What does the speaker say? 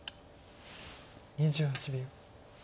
２８秒。